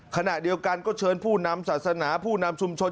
ขณะเดียวกันก็เชิญผู้นำศาสนาผู้นำชุมชน